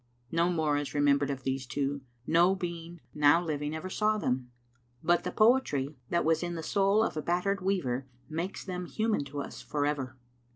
" No more is remembered of these two, no being now living ever saw them, but the poetry that was in the soul of a battered weaver makes them human to us for ever.